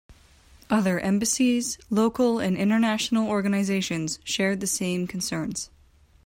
Other embassies, local and international organizations shared the same concerns.